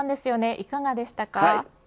いかがでしたか。